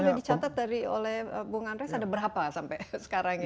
itu kan udah dicatat oleh bung andres ada berapa sampai sekarang ini